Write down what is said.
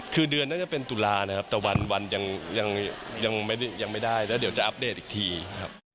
คือเดือนน่าจะเป็นตุลานะครับแต่วันยังไม่ได้แล้วเดี๋ยวจะอัปเดตอีกทีครับ